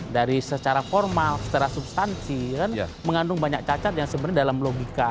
dari secara formal secara substansi kan mengandung banyak cacat yang sebenarnya dalam logika